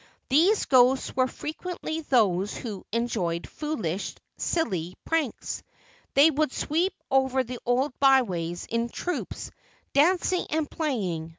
These ghosts were frequently those who enjoyed foolish, silly pranks. They would sweep over the old byways in troops, dancing and playing.